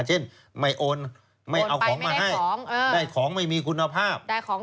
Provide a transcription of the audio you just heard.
เช่นไม่โอนไม่เอาของมาให้ได้ของไม่มีคุณภาพ